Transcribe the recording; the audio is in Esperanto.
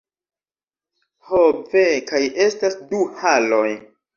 Ho ve kaj estas du haloj